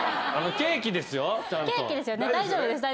ケーキですよね。